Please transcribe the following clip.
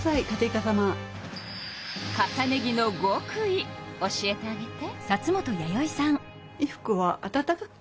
重ね着のごくい教えてあげて。